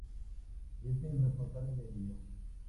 Él es el responsable de ello.